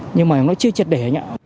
nhưng mà nó chưa chật để